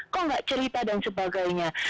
kok nggak cerita dan sebagainya